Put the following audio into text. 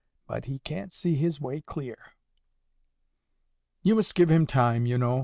But he can't see his way clear." "You must give him time, you know.